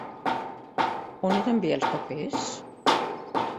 On he d'enviar els papers?